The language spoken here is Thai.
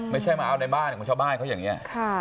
ไม่ใช่มาเอาในบ้านของชาวบ้านเขาอย่างนี้